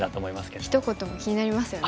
ひと言も気になりますよね。